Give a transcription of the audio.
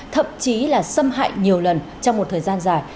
thậm chí là xâm hại nhiều lần trong một thời gian dài